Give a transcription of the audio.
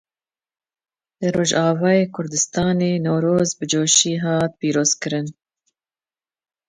Li Rojavayê Kurdistanê Newroz bi çoşî hat pîrozkirin.